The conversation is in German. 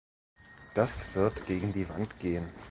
Das wird gegen die Wand gehen.